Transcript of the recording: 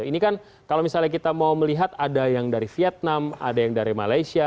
ini kan kalau misalnya kita mau melihat ada yang dari vietnam ada yang dari malaysia